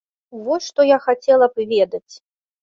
Вось што я хацела б ведаць.